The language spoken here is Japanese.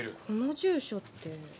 この住所って。